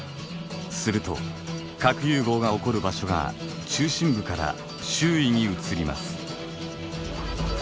すると核融合が起こる場所が中心部から周囲に移ります。